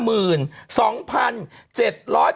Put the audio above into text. ๑๗๘๒๖๙อื่มสุดยอด